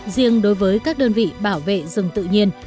riêng đối với các đơn vị bảo vệ rừng tự nhiên